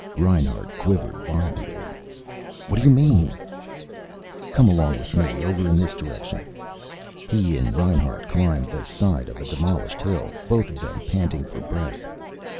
Reinhart quivered violently. "What do you mean?" "Come along with me. Over in this direction." He and Reinhart climbed the side of a demolished hill, both of them panting for breath.